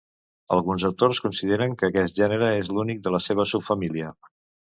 Alguns autors consideren que aquest gènere és l'únic de la seva subfamília.